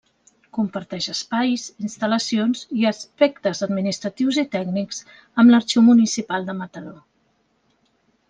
Comparteix espais, instal·lacions i aspectes administratius i tècnics amb l'Arxiu Municipal de Mataró.